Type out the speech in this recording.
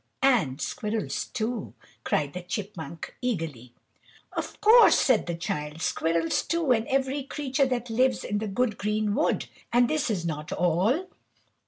"And squirrels, too!" cried the chipmunk, eagerly. "Of course!" said the Child. "Squirrels, too, and every creature that lives in the good green wood. And this is not all!